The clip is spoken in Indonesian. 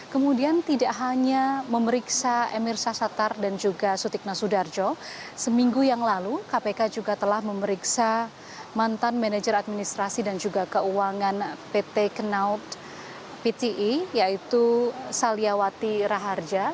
kemudian tidak hanya memeriksa emir sassatar dan juga sutikna sudarjo seminggu yang lalu kpk juga telah memeriksa mantan manajer administrasi dan juga keuangan pt kenaud pti yaitu saliawati raharja